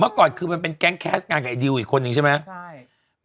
ก่อนคือมันเป็นแก๊งแคสต์งานกับไอดิวอีกคนนึงใช่ไหม